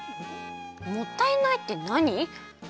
「もったいない」ってなに？